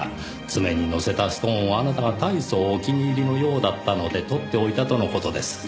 爪にのせたストーンをあなたがたいそうお気に入りのようだったのでとっておいたとの事です。